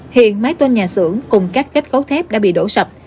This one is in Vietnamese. hiện mái tôn nhà sưởng cùng các cách khấu thép đã bị đổ sập